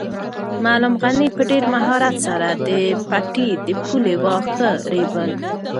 معلم غني په ډېر مهارت سره د پټي د پولې واښه رېبل.